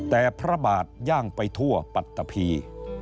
แต่พระบาทย่างไปทั่วปัตตะพี